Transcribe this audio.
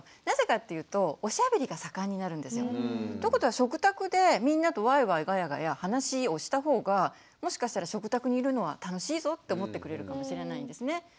なぜかっていうとおしゃべりが盛んになるんですよ。ということは食卓でみんなとワイワイガヤガヤ話をした方がもしかしたら食卓にいるのは楽しいぞって思ってくれるかもしれないんですね。